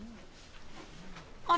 あれ？